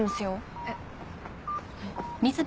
えっ。